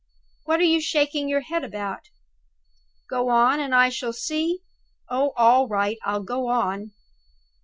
What are you shaking your head about? Go on, and I shall see? Oh, all right; I'll go on.